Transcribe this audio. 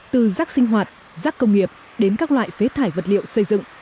từ rác sinh hoạt rác công nghiệp đến các loại phế thải vật liệu xây dựng